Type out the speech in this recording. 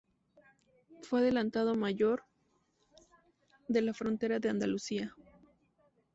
Fue Adelantado mayor de la frontera de Andalucía.